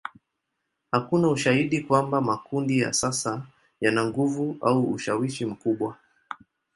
Hakuna ushahidi kwamba makundi ya sasa yana nguvu au ushawishi mkubwa.